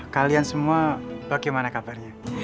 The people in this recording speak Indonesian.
kalian semua bagaimana kabarnya